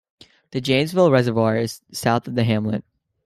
The Jamesville Reservoir is south of the hamlet.